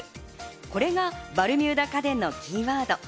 これがバルミューダ家電のキーワード。